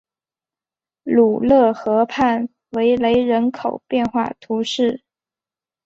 鲁勒河畔维雷人口变化图示